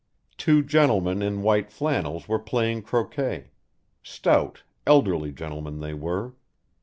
Two gentlemen in white flannels were playing croquet; stout elderly gentlemen they were.